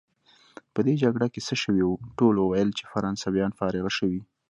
په دې جګړه کې څه شوي وو؟ ټولو ویل چې فرانسویان فارغه شوي.